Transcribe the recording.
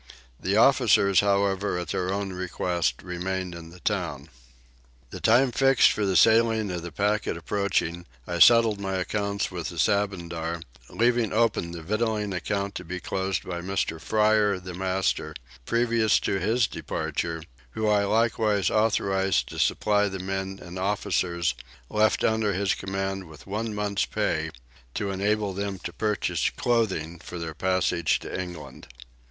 The officers however at their own request remained in the town. The time fixed for the sailing of the packet approaching, I settled my accounts with the Sabandar, leaving open the victualling account to be closed by Mr. Fryer the master previous to his departure, who I likewise authorised to supply the men and officers left under his command with one month's pay to enable them to purchase clothing for their passage to England.